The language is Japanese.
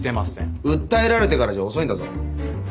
訴えられてからじゃ遅いんだぞ。